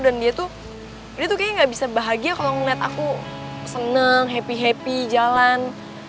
dan dia tuh kayaknya gak bisa bahagia kalo ngeliat aku seneng happy happy jalan